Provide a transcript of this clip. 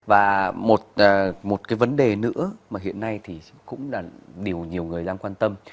và một cái vấn đề nữa mà hiện nay thì cũng là điều nhiều người đang quan tâm